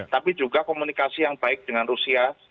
tapi juga komunikasi yang baik dengan rusia